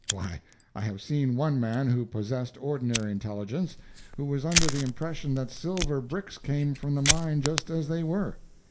Why, I have seen one man who possessed ordinary intelligence, who was under the impression that silver bricks came from the mine just as they were.